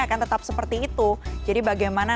akan tetap seperti itu jadi bagaimana